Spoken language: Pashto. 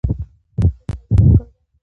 موږ په کرکټ کې نړیوال ریکارډونه لرو.